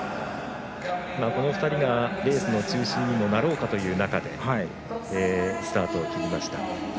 この２人がレースの中心にもなろうという中でスタートを切りました。